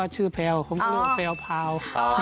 ชื่อว่าน้องเฮร่ากับน้องพลาว